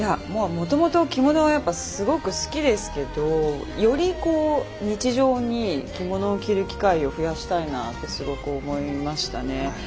もともと着物はやっぱすごく好きですけどより日常に着物を着る機会を増やしたいなってすごく思いましたね。